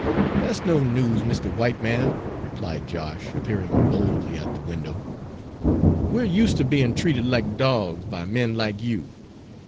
"Dat's no news, Mr. White Man," replied Josh, appearing boldly at the window. "We're use' ter bein' treated like dogs by men like you.